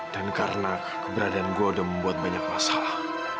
dan karena keberadaan gue udah membuat banyak masalah